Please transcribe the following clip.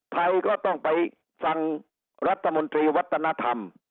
ไทยก็ต้องไปฟังรัฐมนตรีวัฒนธรรม